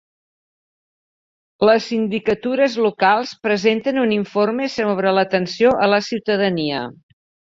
Les sindicatures locals presenten un informe sobre l'atenció a la ciutadania.